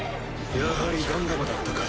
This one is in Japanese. やはりガンダムだったか。